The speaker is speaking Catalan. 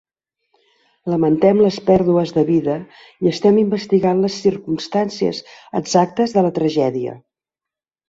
Lamentem les pèrdues de vida i estem investigant les circumstàncies exactes de la tragèdia.